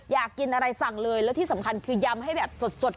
อยากกินอะไรสั่งเลยแล้วที่สำคัญคือยำให้แบบสด